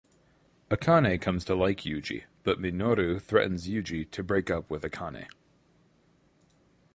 Akane comes to like Yuji but Minoru threatens Yuji to break up with Akane.